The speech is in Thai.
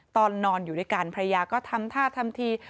ตอนนอนอยู่ด้วยกันภรรยาก็ทำท่าทำที